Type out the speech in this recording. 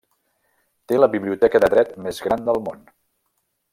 Té la biblioteca de dret més gran del món.